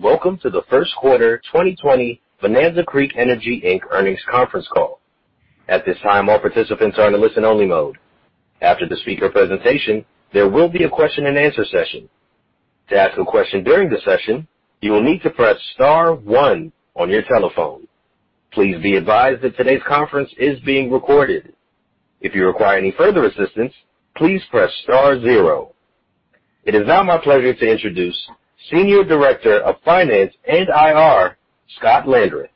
Welcome to the first quarter 2020 Bonanza Creek Energy, Inc. earnings conference call. At this time, all participants are in a listen-only mode. After the speaker presentation, there will be a question and answer session. To ask a question during the session, you will need to press star one on your telephone. Please be advised that today's conference is being recorded. If you require any further assistance, please press star zero. It is now my pleasure to introduce Senior Director of Finance and IR, Scott Landreth.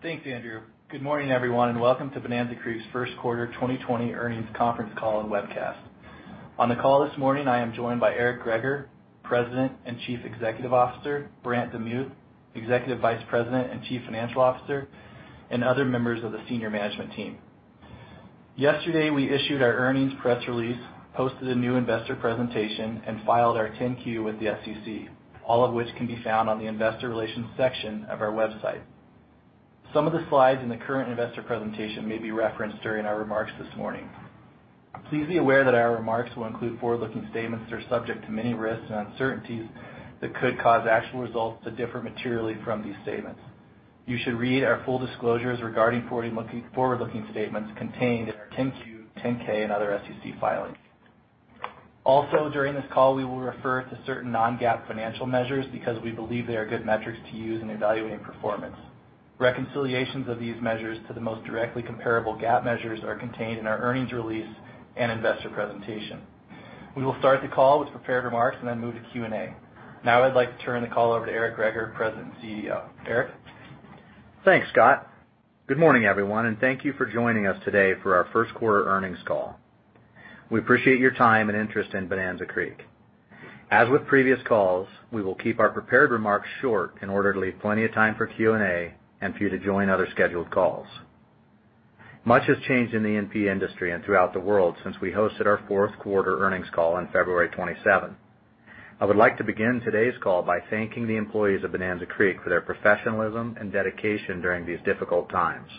Thanks, Andrew. Good morning, everyone, and welcome to Bonanza Creek's first quarter 2020 earnings conference call and webcast. On the call this morning, I am joined by Eric Greager, President and Chief Executive Officer, Brant DeMuth, Executive Vice President and Chief Financial Officer, and other members of the senior management team. Yesterday, we issued our earnings press release, posted a new investor presentation, and filed our 10-Q with the SEC, all of which can be found on the investor relations section of our website. Some of the slides in the current investor presentation may be referenced during our remarks this morning. Please be aware that our remarks will include forward-looking statements that are subject to many risks and uncertainties that could cause actual results to differ materially from these statements. You should read our full disclosures regarding forward-looking statements contained in our 10-Q, 10-K and other SEC filings. Also, during this call, we will refer to certain non-GAAP financial measures because we believe they are good metrics to use in evaluating performance. Reconciliations of these measures to the most directly comparable GAAP measures are contained in our earnings release and investor presentation. We will start the call with prepared remarks and then move to Q&A. Now I'd like to turn the call over to Eric Greager, President and CEO. Eric? Thanks, Scott. Good morning, everyone. Thank you for joining us today for our first quarter earnings call. We appreciate your time and interest in Bonanza Creek. As with previous calls, we will keep our prepared remarks short in order to leave plenty of time for Q&A and for you to join other scheduled calls. Much has changed in the E&P industry and throughout the world since we hosted our fourth quarter earnings call on February 27th. I would like to begin today's call by thanking the employees of Bonanza Creek for their professionalism and dedication during these difficult times.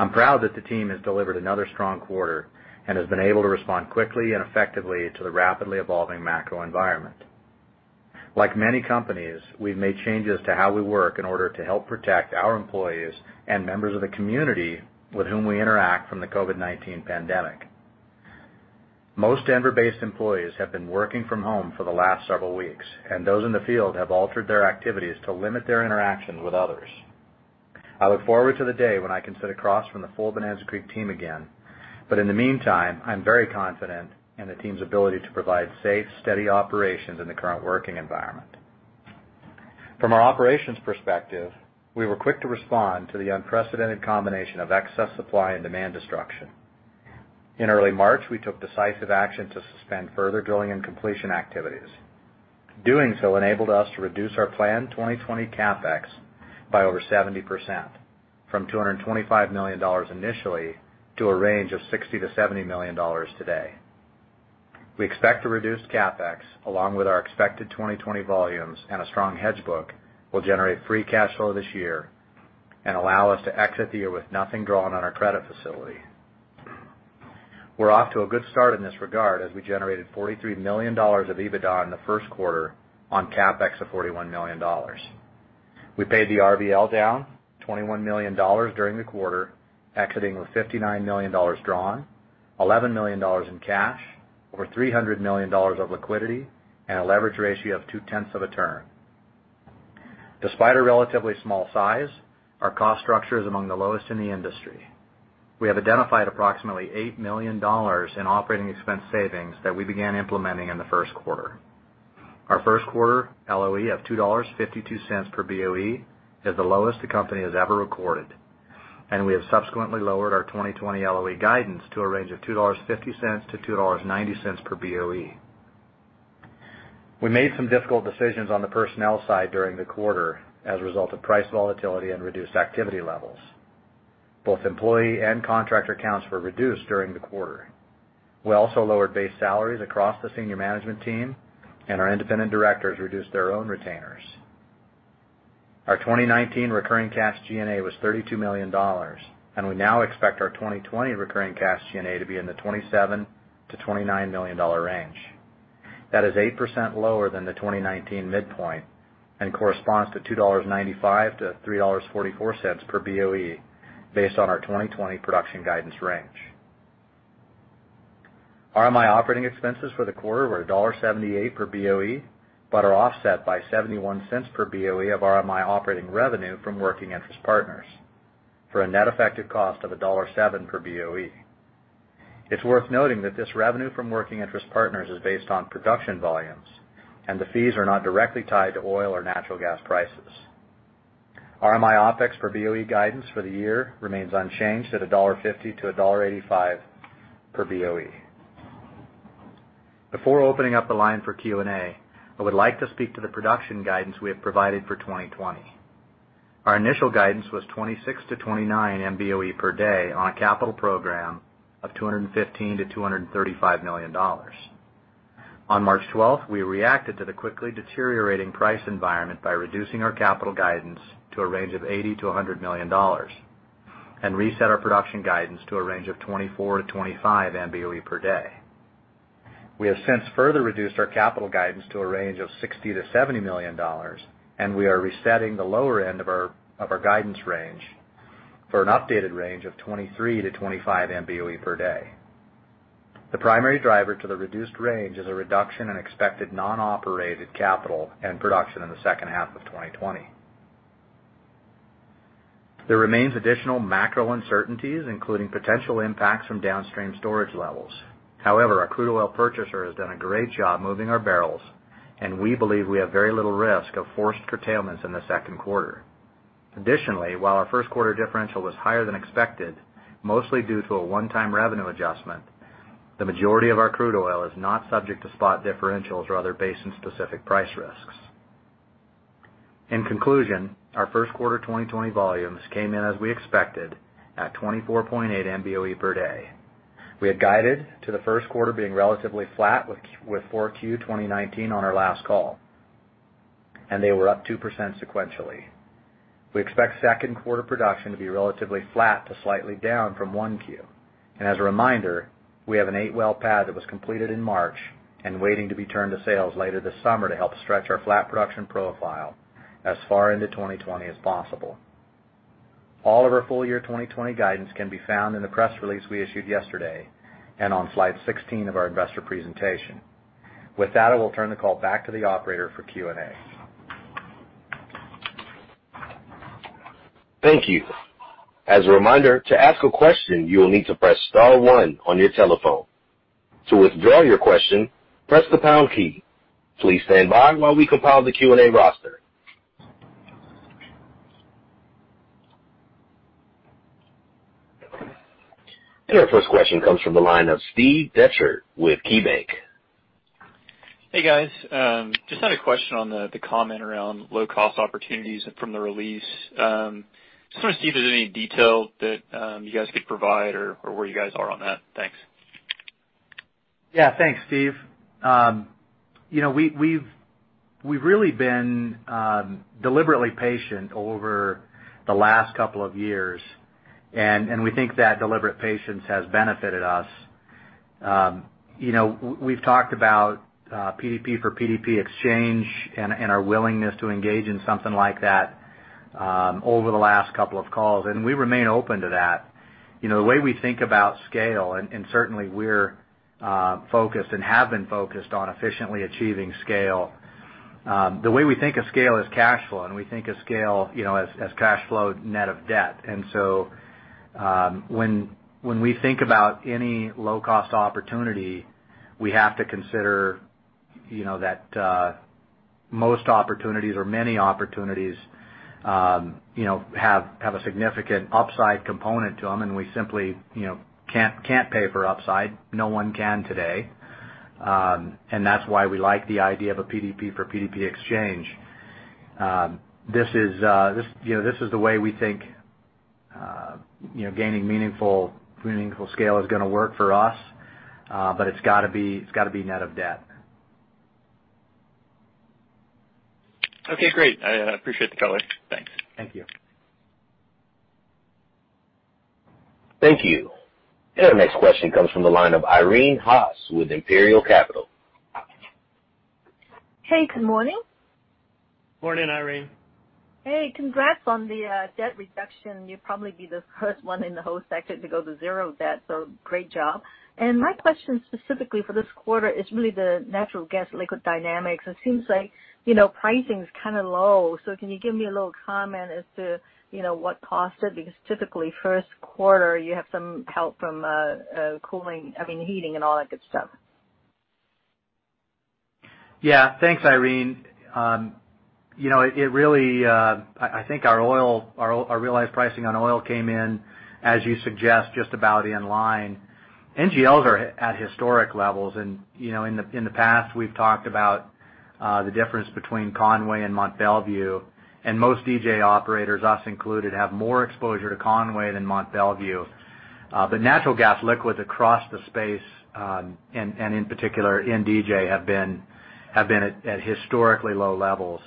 I'm proud that the team has delivered another strong quarter and has been able to respond quickly and effectively to the rapidly evolving macro environment. Like many companies, we've made changes to how we work in order to help protect our employees and members of the community with whom we interact from the COVID-19 pandemic. Most Denver-based employees have been working from home for the last several weeks, and those in the field have altered their activities to limit their interactions with others. I look forward to the day when I can sit across from the full Bonanza Creek team again, but in the meantime, I'm very confident in the team's ability to provide safe, steady operations in the current working environment. From our operations perspective, we were quick to respond to the unprecedented combination of excess supply and demand destruction. In early March, we took decisive action to suspend further drilling and completion activities. Doing so enabled us to reduce our planned 2020 CapEx by over 70%, from $225 million initially to a range of $60 million-$70 million today. We expect the reduced CapEx, along with our expected 2020 volumes and a strong hedge book, will generate free cash flow this year and allow us to exit the year with nothing drawn on our credit facility. We're off to a good start in this regard, as we generated $43 million of EBITDA in the first quarter on CapEx of $41 million. We paid the RBL down $21 million during the quarter, exiting with $59 million drawn, $11 million in cash, over $300 million of liquidity, and a leverage ratio of two-tenths of a turn. Despite our relatively small size, our cost structure is among the lowest in the industry. We have identified approximately $8 million in operating expense savings that we began implementing in the first quarter. Our first quarter LOE of $2.52 per BOE is the lowest the company has ever recorded, and we have subsequently lowered our 2020 LOE guidance to a range of $2.50-$2.90 per BOE. We made some difficult decisions on the personnel side during the quarter as a result of price volatility and reduced activity levels. Both employee and contractor counts were reduced during the quarter. We also lowered base salaries across the senior management team, and our independent directors reduced their own retainers. Our 2019 recurring cash G&A was $32 million, and we now expect our 2020 recurring cash G&A to be in the $27 million-$29 million range. That is 8% lower than the 2019 midpoint and corresponds to $2.95-$3.44 per BOE based on our 2020 production guidance range. RMI operating expenses for the quarter were $1.78 per BOE, but are offset by $0.71 per BOE of RMI operating revenue from working interest partners for a net effective cost of $1.07 per BOE. It's worth noting that this revenue from working interest partners is based on production volumes, and the fees are not directly tied to oil or natural gas prices. RMI OpEx per BOE guidance for the year remains unchanged at $1.50-$1.85 per BOE. Before opening up the line for Q&A, I would like to speak to the production guidance we have provided for 2020. Our initial guidance was 26-29 MBOE per day on a capital program of $215 million-$235 million. On March 12th, we reacted to the quickly deteriorating price environment by reducing our capital guidance to a range of $80 million-$100 million. Reset our production guidance to a range of 24 to 25 MBOE per day. We have since further reduced our capital guidance to a range of $60 million-$70 million, and we are resetting the lower end of our guidance range for an updated range of 23 to 25 MBOE per day. The primary driver to the reduced range is a reduction in expected non-operated capital and production in the second half of 2020. There remains additional macro uncertainties, including potential impacts from downstream storage levels. However, our crude oil purchaser has done a great job moving our barrels, and we believe we have very little risk of forced curtailments in the second quarter. Additionally, while our first quarter differential was higher than expected, mostly due to a one-time revenue adjustment, the majority of our crude oil is not subject to spot differentials or other basin-specific price risks. In conclusion, our first quarter 2020 volumes came in as we expected at 24.8 MBOE per day. We had guided to the first quarter being relatively flat with 4Q 2019 on our last call, and they were up 2% sequentially. We expect second quarter production to be relatively flat to slightly down from 1Q. As a reminder, we have an eight-well pad that was completed in March and waiting to be turned to sales later this summer to help stretch our flat production profile as far into 2020 as possible. All of our full-year 2020 guidance can be found in the press release we issued yesterday and on slide 16 of our investor presentation. With that, I will turn the call back to the operator for Q&A. Thank you. As a reminder, to ask a question, you will need to press star one on your telephone. To withdraw your question, press the pound key. Please stand by while we compile the Q&A roster. Our first question comes from the line of Steve Dechert with KeyBanc. Hey, guys. Just had a question on the comment around low-cost opportunities from the release. Just want to see if there's any detail that you guys could provide or where you guys are on that. Thanks. Thanks, Steve. We've really been deliberately patient over the last couple of years, and we think that deliberate patience has benefited us. We've talked about PDP for PDP exchange and our willingness to engage in something like that over the last couple of calls, and we remain open to that. The way we think about scale, and certainly we're focused and have been focused on efficiently achieving scale. The way we think of scale is cash flow, and we think of scale as cash flow net of debt. When we think about any low-cost opportunity, we have to consider that most opportunities or many opportunities have a significant upside component to them, and we simply can't pay for upside. No one can today. That's why we like the idea of a PDP for PDP exchange. This is the way we think gaining meaningful scale is going to work for us, but it's got to be net of debt. Okay, great. I appreciate the color. Thanks. Thank you. Thank you. Our next question comes from the line of Irene Haas with Imperial Capital. Hey, good morning. Morning, Irene. Hey, congrats on the debt reduction. You'll probably be the first one in the whole sector to go to zero debt, so great job. My question specifically for this quarter is really the natural gas liquid dynamics. It seems like pricing is low. Can you give me a little comment as to what caused it? Because typically, first quarter, you have some help from heating and all that good stuff. Thanks, Irene. I think our realized pricing on oil came in, as you suggest, just about in line. NGLs are at historic levels, and in the past, we've talked about the difference between Conway and Mont Belvieu, and most DJ operators, us included, have more exposure to Conway than Mont Belvieu. Natural gas liquids across the space, and in particular in DJ, have been at historically low levels.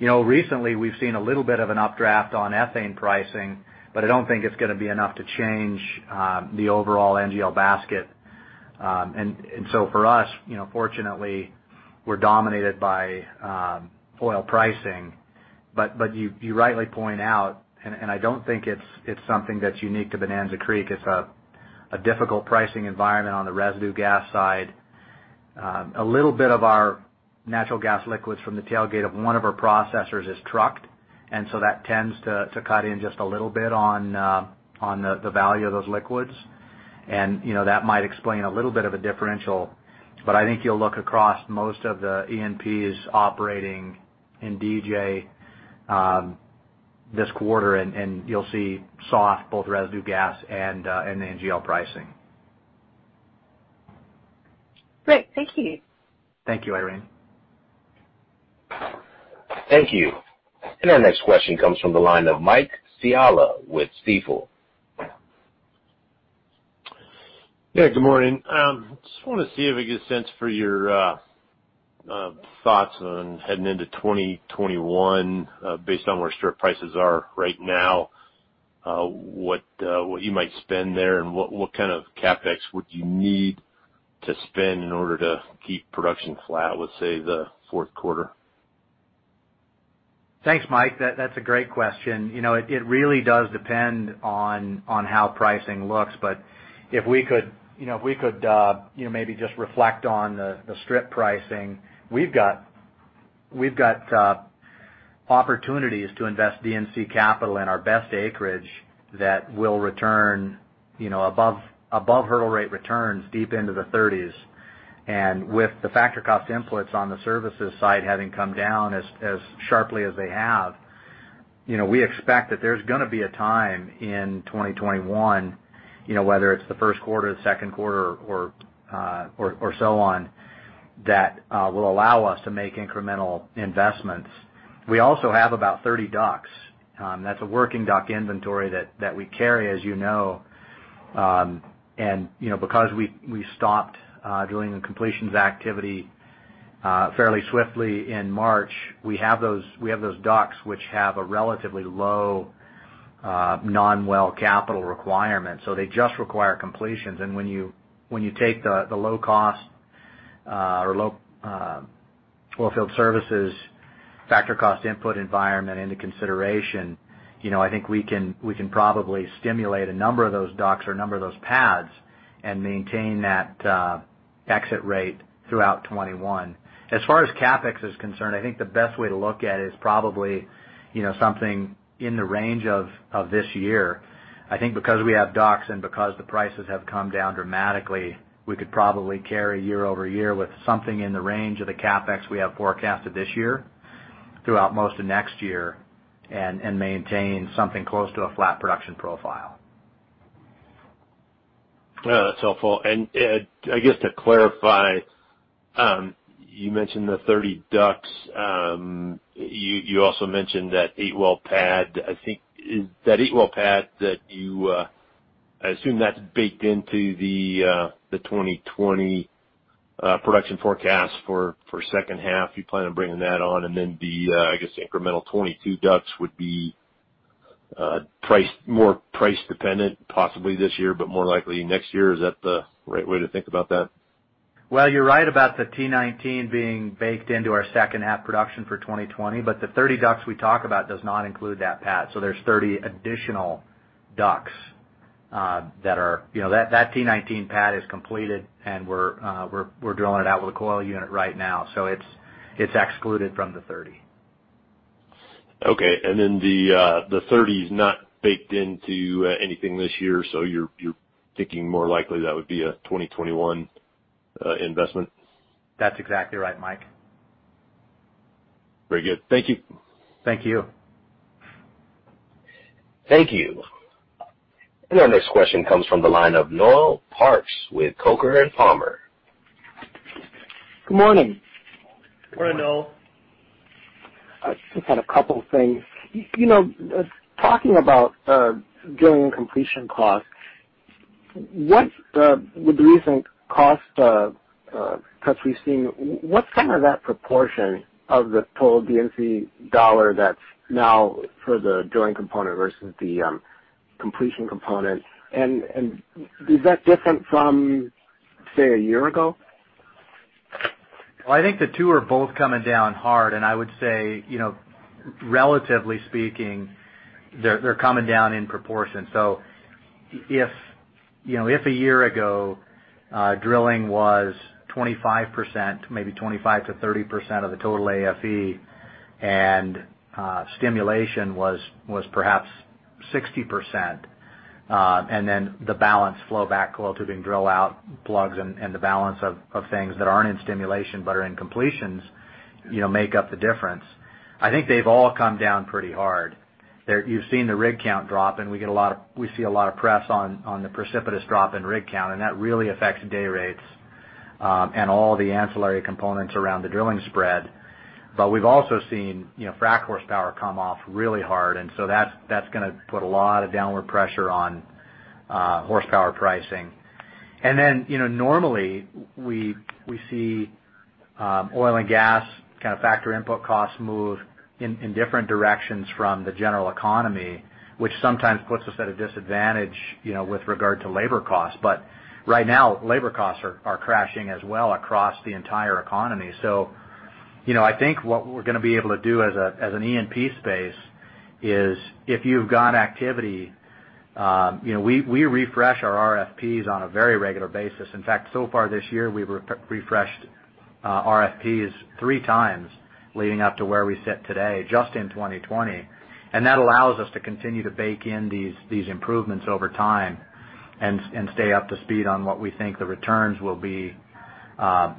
Recently, we've seen a little bit of an updraft on ethane pricing, I don't think it's going to be enough to change the overall NGL basket. For us, fortunately, we're dominated by oil pricing. You rightly point out, I don't think it's something that's unique to Bonanza Creek. It's a difficult pricing environment on the residue gas side. A little bit of our natural gas liquids from the tailgate of one of our processors is trucked, that tends to cut in just a little bit on the value of those liquids. That might explain a little bit of a differential, but I think you'll look across most of the E&Ps operating in DJ this quarter, and you'll see soft both residue gas and NGL pricing. Great. Thank you. Thank you, Irene. Thank you. Our next question comes from the line of Mike Scialla with Stifel. Yeah, good morning. Just want to see if I get a sense for your thoughts on heading into 2021, based on where strip prices are right now, what you might spend there, and what kind of CapEx would you need to spend in order to keep production flat, let's say the fourth quarter? Thanks, Mike. That's a great question. It really does depend on how pricing looks, but if we could maybe just reflect on the strip pricing, we've got opportunities to invest D&C capital in our best acreage that will return above hurdle rate returns deep into the 30s. With the factor cost inputs on the services side having come down as sharply as they have, we expect that there's going to be a time in 2021, whether it's the first quarter or the second quarter or so on, that will allow us to make incremental investments. We also have about 30 DUCs. That's a working DUC inventory that we carry, as you know. Because we stopped drilling the completions activity fairly swiftly in March, we have those DUCs which have a relatively low non-well capital requirement, so they just require completions. When you take the low cost or low oilfield services factor cost input environment into consideration, I think we can probably stimulate a number of those DUCs or a number of those pads and maintain that exit rate throughout 2021. As far as CapEx is concerned, I think the best way to look at it is probably something in the range of this year. I think because we have DUCs and because the prices have come down dramatically, we could probably carry year-over-year with something in the range of the CapEx we have forecasted this year throughout most of next year and maintain something close to a flat production profile. Yeah, that's helpful. I guess to clarify, you mentioned the 30 DUCs. You also mentioned that 8-well pad. That 8-well pad, I assume that's baked into the 2020 production forecast for second half. You plan on bringing that on, and then the, I guess, incremental 22 DUCs would be more price dependent possibly this year, but more likely next year. Is that the right way to think about that? You're right about the T-19 being baked into our second half production for 2020, but the 30 DUCs we talk about does not include that pad. There's 30 additional DUCs. That T-19 pad is completed, and we're drilling it out with a coil unit right now. It's excluded from the 30. Okay. The 30 is not baked into anything this year, so you're thinking more likely that would be a 2021 investment? That's exactly right, Mike. Very good. Thank you. Thank you. Thank you. Our next question comes from the line of Noel Parks with Coker & Palmer. Good morning. Good morning, Noel. I just had a couple things. Talking about drilling completion costs, with the recent cost cuts we've seen, what % of that proportion of the total D&C dollar that's now for the drilling component versus the completion component? Is that different from, say, a year ago? I think the two are both coming down hard, and I would say, relatively speaking, they're coming down in proportion. If a year ago, drilling was 25%, maybe 25%-30% of the total AFE, and stimulation was perhaps 60%, the balance flowback coil tubing drill out plugs and the balance of things that aren't in stimulation but are in completions make up the difference. I think they've all come down pretty hard. You've seen the rig count drop, and we see a lot of press on the precipitous drop in rig count, and that really affects day rates and all the ancillary components around the drilling spread. We've also seen frack horsepower come off really hard, that's going to put a lot of downward pressure on horsepower pricing. Normally we see oil and gas kind of factor input costs move in different directions from the general economy, which sometimes puts us at a disadvantage with regard to labor costs. Right now, labor costs are crashing as well across the entire economy. I think what we're going to be able to do as an E&P space is if you've got activity, we refresh our RFPs on a very regular basis. In fact, so far this year, we've refreshed RFPs three times leading up to where we sit today, just in 2020. That allows us to continue to bake in these improvements over time and stay up to speed on what we think the returns will be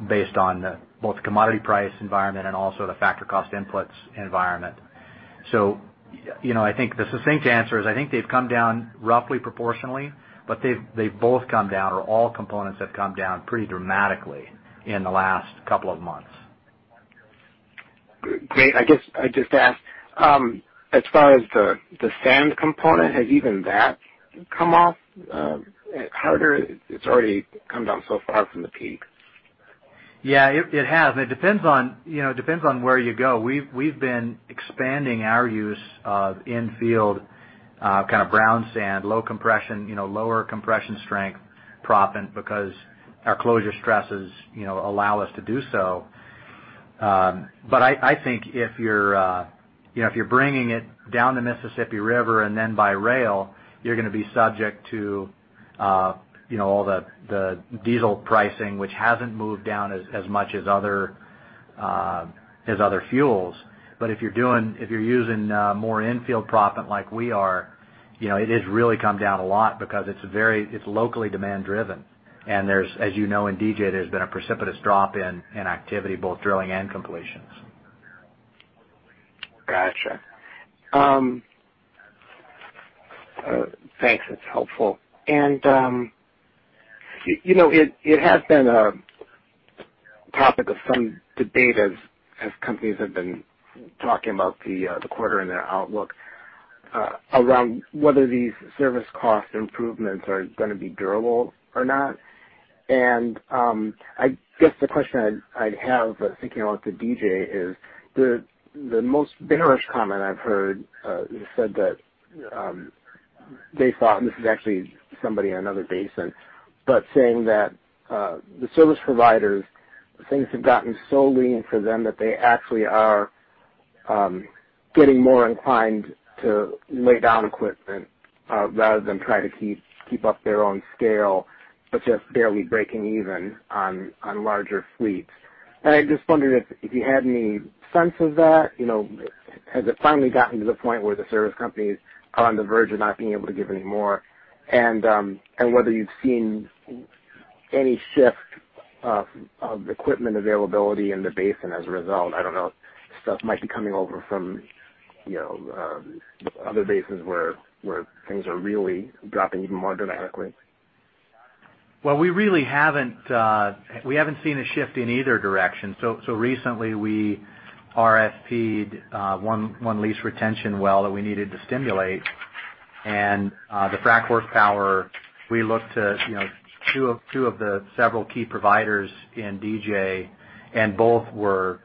based on both commodity price environment and also the factor cost inputs environment. I think the succinct answer is I think they've come down roughly proportionally, but they've both come down, or all components have come down pretty dramatically in the last couple of months. Great. I guess I just ask, as far as the sand component, has even that come off harder? It's already come down so far from the peak. Yeah, it has, and it depends on where you go. We've been expanding our use of in-field brown sand, low compression, lower compression strength proppant because our closure stresses allow us to do so. I think if you're bringing it down the Mississippi River and then by rail, you're going to be subject to all the diesel pricing, which hasn't moved down as much as other fuels. If you're using more in-field proppant like we are, it has really come down a lot because it's locally demand-driven. There's, as you know, in DJ, there's been a precipitous drop in activity, both drilling and completions. Got you. Thanks. It's helpful. It has been a topic of some debate as companies have been talking about the quarter in their outlook, around whether these service cost improvements are going to be durable or not. I guess the question I'd have, thinking about the DJ, is the most bearish comment I've heard, they said that they thought This is actually somebody in another basin, but saying that the service providers, things have gotten so lean for them that they actually are getting more inclined to lay down equipment rather than try to keep up their own scale, but just barely breaking even on larger fleets. I just wondered if you had any sense of that. Has it finally gotten to the point where the service companies are on the verge of not being able to give anymore? Whether you've seen any shift of equipment availability in the basin as a result. I don't know, stuff might be coming over from other basins where things are really dropping even more dramatically. Well, we really haven't seen a shift in either direction. Recently, we RFP'd one lease retention well that we needed to stimulate. The frac horsepower, we looked to two of the several key providers in DJ, and both were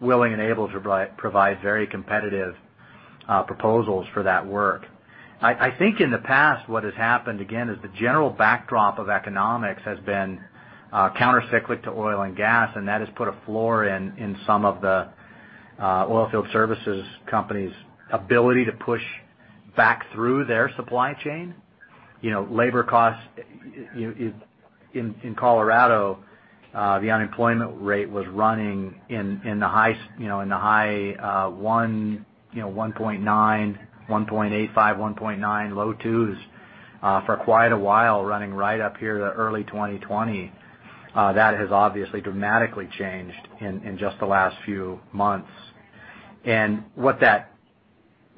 willing and able to provide very competitive proposals for that work. I think in the past what has happened, again, is the general backdrop of economics has been counter-cyclic to oil and gas, and that has put a floor in some of the oilfield services companies' ability to push back through their supply chain. Labor costs, in Colorado, the unemployment rate was running in the high 1.9, 1.85, 1.9, low 2s for quite a while, running right up here to early 2020. That has obviously dramatically changed in just the last few months.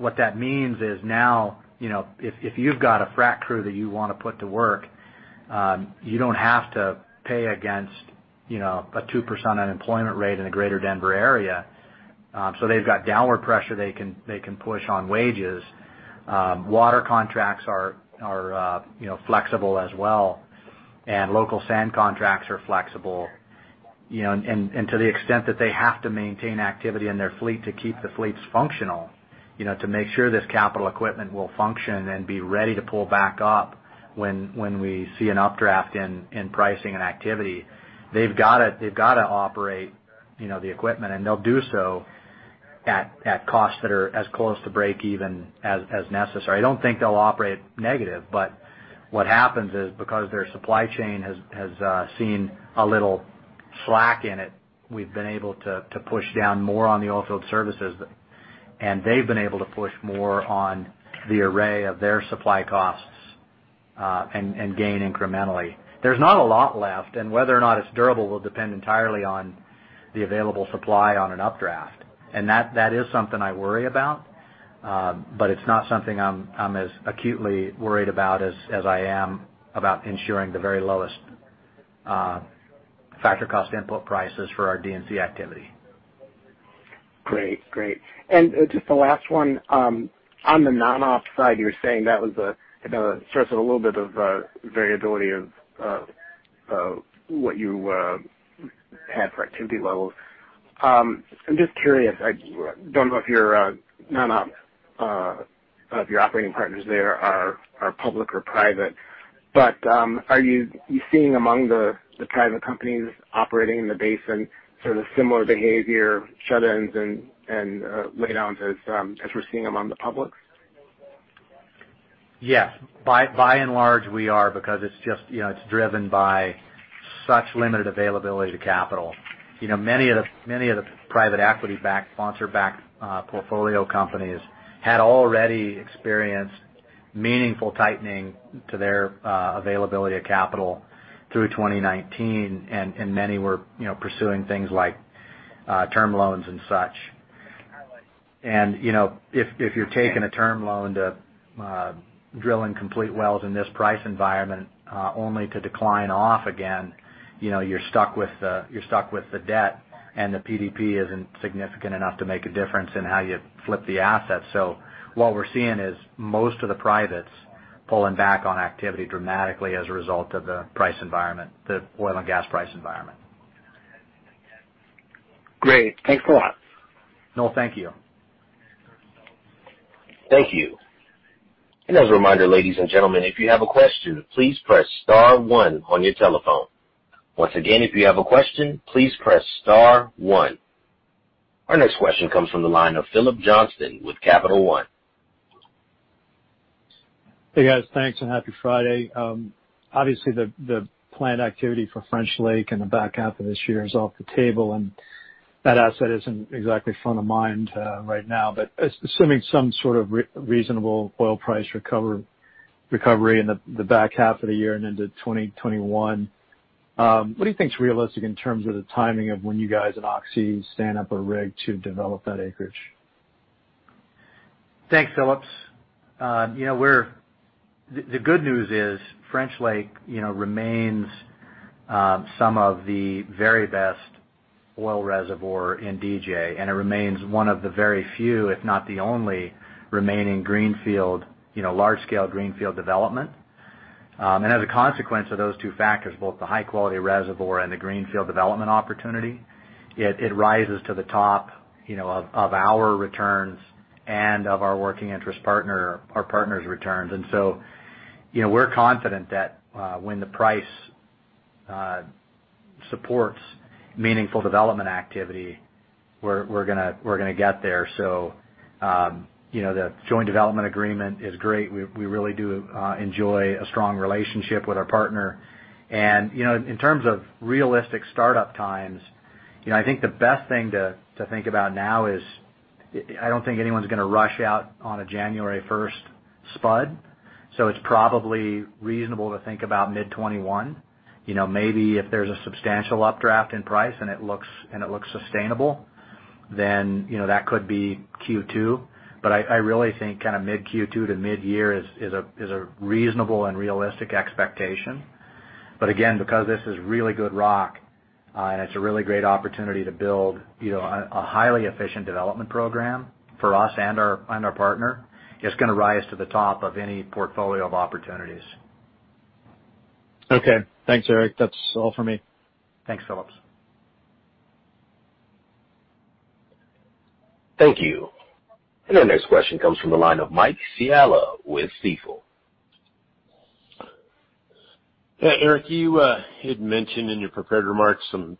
What that means is now, if you've got a frac crew that you want to put to work, you don't have to pay against a 2% unemployment rate in the greater Denver area. They've got downward pressure they can push on wages. Water contracts are flexible as well. Local sand contracts are flexible. To the extent that they have to maintain activity in their fleet to keep the fleets functional, to make sure this capital equipment will function and be ready to pull back up when we see an updraft in pricing and activity, they've got to operate the equipment, and they'll do so at costs that are as close to breakeven as necessary. I don't think they'll operate negative, but what happens is, because their supply chain has seen a little slack in it, we've been able to push down more on the oil field services, and they've been able to push more on the array of their supply costs, and gain incrementally. There's not a lot left, and whether or not it's durable will depend entirely on the available supply on an updraft. That is something I worry about. It's not something I'm as acutely worried about as I am about ensuring the very lowest factor cost input prices for our D and C activity. Great. Just the last one. On the non-op side, you were saying that was a source of a little bit of variability of what you had for activity levels. I'm just curious, I don't know if your non-op of your operating partners there are public or private. Are you seeing among the private companies operating in the basin sort of similar behavior, shut-ins and laydowns as we're seeing among the public? Yes. By and large, we are, because it's driven by such limited availability to capital. Many of the private equity-backed, sponsor-backed portfolio companies had already experienced meaningful tightening to their availability of capital through 2019, and many were pursuing things like term loans and such. If you're taking a term loan to drill and complete wells in this price environment only to decline off again, you're stuck with the debt, and the PDP isn't significant enough to make a difference in how you flip the asset. What we're seeing is most of the privates pulling back on activity dramatically as a result of the price environment, the oil and gas price environment. Great. Thanks a lot. No, thank you. Thank you. As a reminder, ladies and gentlemen, if you have a question, please press star one on your telephone. Once again, if you have a question, please press star one. Our next question comes from the line of Phillips Johnston with Capital One. Hey, guys. Thanks, and happy Friday. Obviously, the planned activity for French Lake in the back half of this year is off the table, and that asset isn't exactly front of mind right now. Assuming some sort of reasonable oil price recovery in the back half of the year and into 2021, what do you think is realistic in terms of the timing of when you guys and Oxy stand up a rig to develop that acreage? Thanks, Phillips. The good news is French Lake remains some of the very best oil reservoir in DJ, and it remains one of the very few, if not the only remaining large-scale greenfield development. As a consequence of those two factors, both the high-quality reservoir and the greenfield development opportunity, it rises to the top of our returns and of our working interest partner, our partner's returns. We're confident that when the price supports meaningful development activity, we're going to get there. The joint development agreement is great. We really do enjoy a strong relationship with our partner. In terms of realistic startup times, I think the best thing to think about now is, I don't think anyone's going to rush out on a January 1st spud, so it's probably reasonable to think about mid 2021. Maybe if there's a substantial updraft in price and it looks sustainable, then that could be Q2. I really think mid Q2 to mid-year is a reasonable and realistic expectation. Again, because this is really good rock, and it's a really great opportunity to build a highly efficient development program for us and our partner, it's going to rise to the top of any portfolio of opportunities. Okay. Thanks, Eric. That's all for me. Thanks, Phillips. Thank you. Our next question comes from the line of Michael Scialla with Stifel. Yeah, Eric, you had mentioned in your prepared remarks some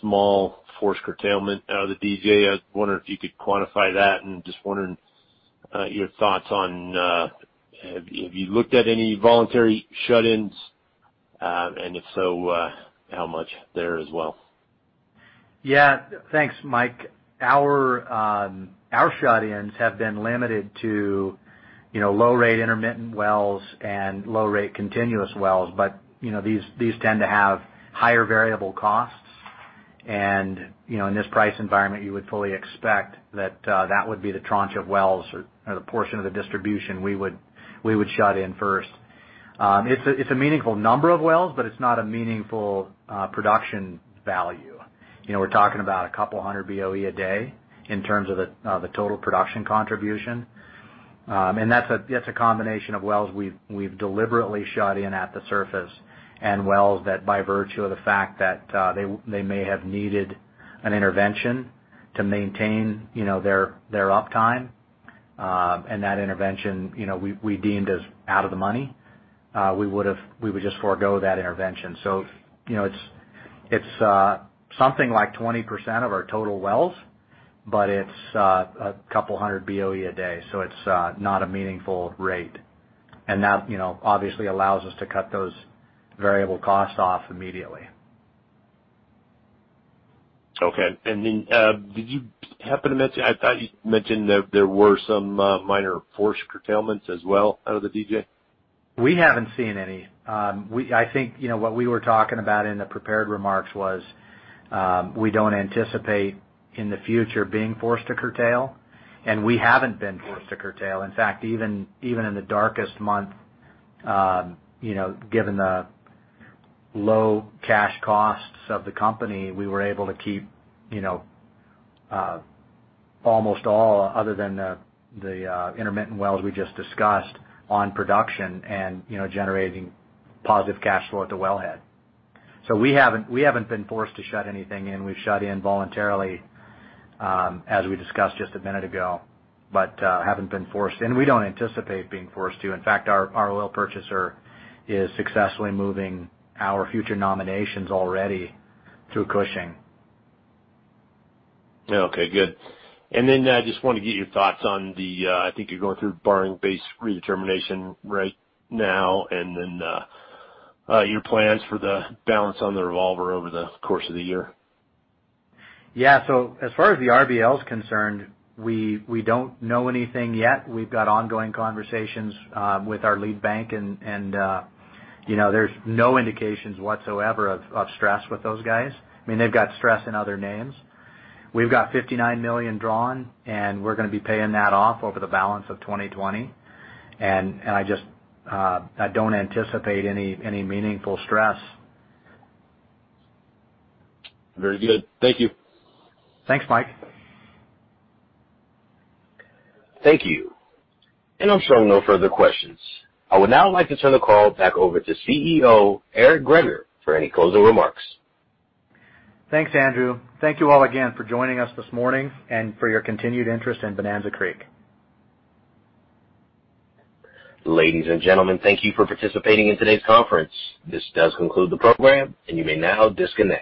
small forced curtailment out of the DJ. I was wondering if you could quantify that, and just wondering your thoughts on, have you looked at any voluntary shut-ins, and if so, how much there as well? Yeah. Thanks, Mike. Our shut-ins have been limited to low-rate intermittent wells and low-rate continuous wells. These tend to have higher variable costs, and, in this price environment, you would fully expect that that would be the tranche of wells or the portion of the distribution we would shut in first. It's a meaningful number of wells, but it's not a meaningful production value. We're talking about 200 BOE a day in terms of the total production contribution. That's a combination of wells we've deliberately shut in at the surface and wells that by virtue of the fact that they may have needed an intervention to maintain their uptime, and that intervention we deemed as out of the money. We would just forego that intervention. It's something like 20% of our total wells, but it's a couple hundred BOE a day, so it's not a meaningful rate. That obviously allows us to cut those variable costs off immediately. Okay. Then did you happen to mention I thought you mentioned that there were some minor forced curtailments as well out of the DJ? We haven't seen any. I think what we were talking about in the prepared remarks was, we don't anticipate in the future being forced to curtail, and we haven't been forced to curtail. In fact, even in the darkest month, given the low cash costs of the company, we were able to keep almost all, other than the intermittent wells we just discussed, on production and generating positive cash flow at the wellhead. We haven't been forced to shut anything in. We've shut in voluntarily, as we discussed just a minute ago, but haven't been forced, and we don't anticipate being forced to. In fact, our oil purchaser is successfully moving our future nominations already through Cushing. Okay, good. I just want to get your thoughts on the, I think you're going through borrowing base redetermination right now, your plans for the balance on the revolver over the course of the year. Yeah. As far as the RBL is concerned, we don't know anything yet. We've got ongoing conversations with our lead bank, there's no indications whatsoever of stress with those guys. I mean, they've got stress in other names. We've got $59 million drawn, we're going to be paying that off over the balance of 2020. I don't anticipate any meaningful stress. Very good. Thank you. Thanks, Mike. Thank you. I'm showing no further questions. I would now like to turn the call back over to CEO Eric Greager for any closing remarks. Thanks, Andrew. Thank you all again for joining us this morning and for your continued interest in Bonanza Creek. Ladies and gentlemen, thank you for participating in today's conference. This does conclude the program, and you may now disconnect.